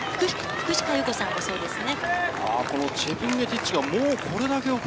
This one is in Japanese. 福士加代子さんもそうですね。